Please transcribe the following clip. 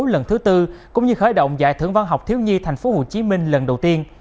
lần thứ tư cũng như khởi động giải thưởng văn học thiếu nhi thành phố hồ chí minh lần đầu tiên